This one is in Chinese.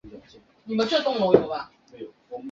当时的黄兴家在当地属于富裕家门。